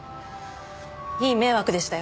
いい迷惑でしたよ。